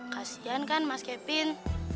kasian kan mas kevin